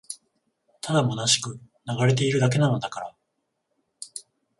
ただ空しく流れているだけなのだから